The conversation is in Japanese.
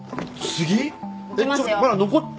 ちょっまだ残っ。